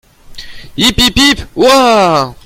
Hip ! hip ! hip ! hurrah !